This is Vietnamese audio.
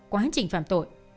quá trình phạm tội